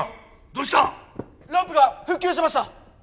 ランプが復旧しました！